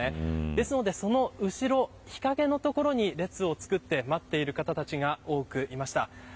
ですので、その後ろ日陰のところに列を作って待っている方たちが多くいました。